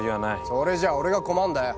それじゃ俺が困んだよ。